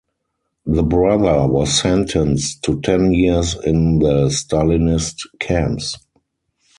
The brother was sentenced to ten years in the Stalinist camps.